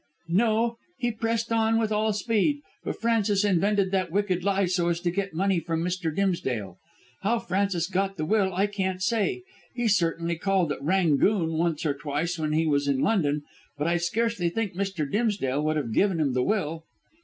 "No. He pressed on with all speed. But Francis invented that wicked lie so as to get money from Mr. Dimsdale. How Francis got the will I can't say. He certainly called at 'Rangoon' once or twice when he was in London, but I scarcely think Mr. Dimsdale would have given him the will."